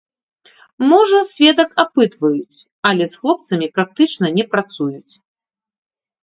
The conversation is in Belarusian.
Можа, сведак апытваюць, але з хлопцамі практычна не працуюць.